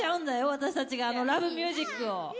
私たちが『Ｌｏｖｅｍｕｓｉｃ』を。